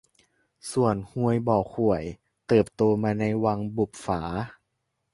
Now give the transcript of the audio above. ส่วนฮวยบ่อข่วย เติบโตมาในวังบุปฝา